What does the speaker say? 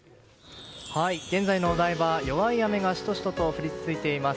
現在のお台場、弱い雨がシトシトと降り続いています。